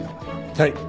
はい。